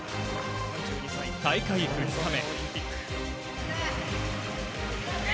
大会２日目。